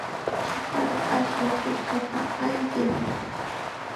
Chukaru ashnu hirkapa ayqin.